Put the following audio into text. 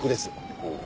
ほう。